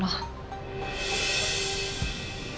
sama seperti apa yang kamu katakan